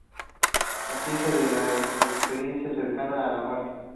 La ciencia de la experiencia cercana a la muerte".